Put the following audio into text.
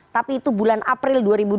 tapi itu bulan april dua ribu dua puluh